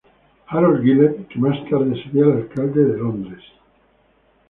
Harold Gillett, que más tarde sería el alcalde de Londres.